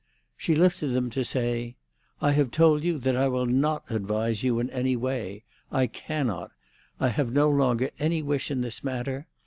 She lifted them to say, "I have told you that I will not advise you in any way. I cannot. I have no longer any wish in this matter.